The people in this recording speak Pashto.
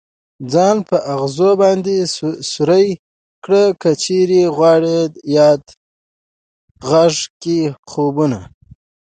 ځان په ازغو باندې سوری كړه كه چېرې غواړې ديار غېږه كې خوبونه